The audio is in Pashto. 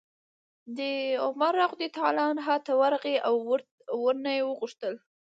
دی عمر رضي الله عنه ته ورغی او ورنه ویې غوښتل